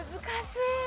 難しい！